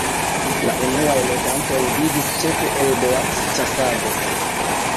La unuaj loĝantoj vivis ĉefe el boacĉasado.